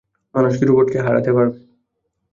মানুষ কি রোবটকে হারাতে পারবে?